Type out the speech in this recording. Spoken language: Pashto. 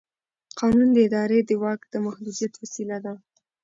قانون د ادارې د واک د محدودیت وسیله ده.